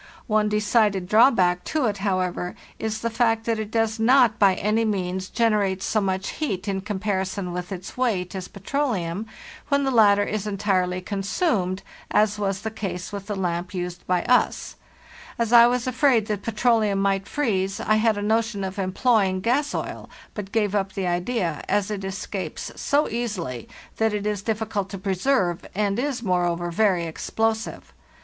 One decided drawback to it, however, is the fact that it does not by any means gen t22 FARTHEST NORTH =) oem is 4 (Tin Luin <= THE COOKING APPARATUS erate so much heat in comparison with its weight as petroleum when the latter is entirely consumed, as was the case with the lamp used by us. As I was afraid that petroleum might freeze, I had a notion of employing gas oil, but gave up the idea, as it escapes so easily that it is difficult to preserve, and is, moreover, very explosive.